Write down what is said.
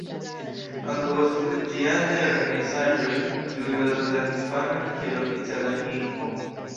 Ankaŭ estas menciataj organizaĵoj kiuj uzas la hispanan kiel oficialan lingvon.